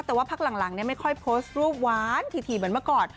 แต่ว่าพักหลังไม่ค่อยโพสต์รูปหวานถี่เหมือนเมื่อก่อน